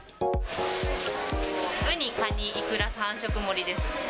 ウニカニいくら三色盛りです。